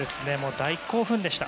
大興奮でした。